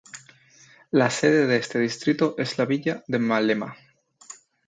La sede de este distrito es la villa de Malema.